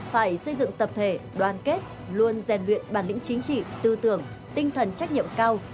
phải xây dựng tập thể đoàn kết luôn rèn luyện bản lĩnh chính trị tư tưởng tinh thần trách nhiệm cao